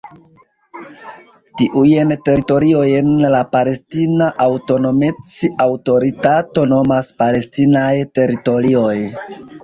Tiujn teritoriojn la Palestina Aŭtonomec-Aŭtoritato nomas "palestinaj teritorioj".